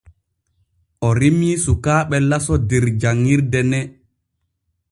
O rimii sukaaɓe laso der gannuure ne.